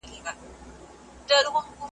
خدایه کله به ریشتیا سي زما زخمي پردېس خوبونه ,